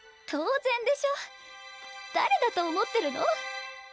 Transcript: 当然でしょ誰だと思ってるの？